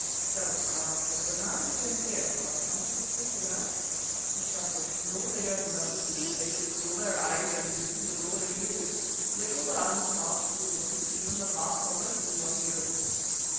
"So," I answered. "But how did you get here? Are the hunters asleep without?" He chuckled. "No, they are not asleep; they look with all their eyes and listen with all their ears, yet old Hans passed through them; even the Baas Somers did not hear him."